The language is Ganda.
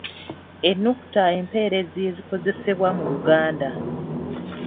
Ennukuta empeerezi ezikozesebwa mu Luganda.